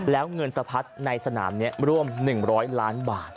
แล้วเงินสะพัดในสนามนี้ร่วม๑๐๐ล้านบาท